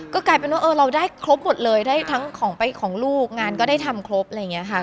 ก็กลายเป็นว่าเราได้ครบหมดเลยได้ทั้งของลูกงานก็ได้ทำครบอะไรอย่างนี้ค่ะ